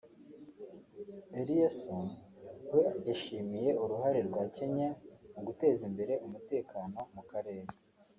Eliasson we yashimiye uruhare rwa Kenya mu guteza imbere umutekano mu karere